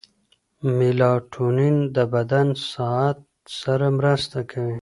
میلاټونین د بدن ساعت سره مرسته کوي.